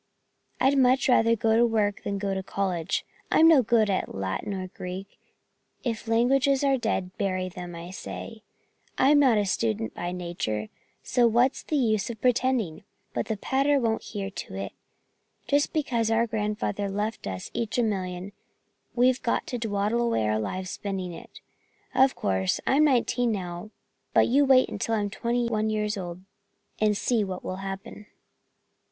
I'd much rather go to work than go to college. I'm no good at Latin or Greek. If languages are dead, bury them, I say. I'm not a student by nature, so what's the use pretending; but the pater won't hear to it. Just because our grandfather left us each a million, we've got to dwaddle away our lives spending it. Of course I'm nineteen now, but you wait until I'm twenty one years old and see what will happen."